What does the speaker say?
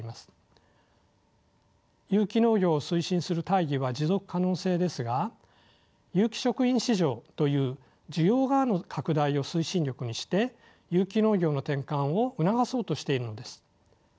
有機農業を推進する大義は持続可能性ですが有機食品市場という需要側の拡大を推進力にして有機農業の転換を促そうとしているのです。